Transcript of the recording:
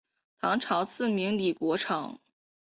唐朝赐名李国昌。